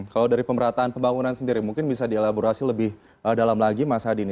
kalau dari pemerataan pembangunan sendiri mungkin bisa dielaborasi lebih dalam lagi mas hadi ini